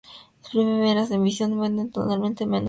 La primera edición se vende totalmente en menos de un año.